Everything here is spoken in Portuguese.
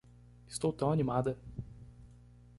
Estou tão animada!